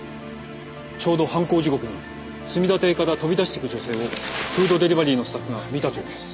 ちょうど犯行時刻に墨田邸から飛び出していく女性をフードデリバリーのスタッフが見たというんです。